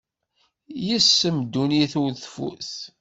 Yes-m dunnit ur tfut.